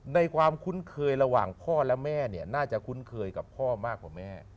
ในความคุ้นเคยระหว่างพ่อและแม่เนี่ยน่าจะคุ้นเคยกับพ่อมากกว่าแม่